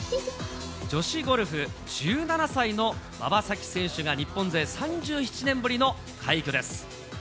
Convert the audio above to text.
女子ゴルフ、１７歳の馬場咲希選手が、日本勢３７年ぶりの快挙です。